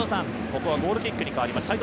ここはゴールキックに変わります。